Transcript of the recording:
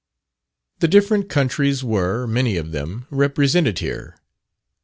The different countries were, many of them, represented here.